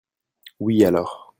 oui alors.